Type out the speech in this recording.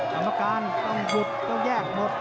กรรมการต้องหยุดต้องแยกหมด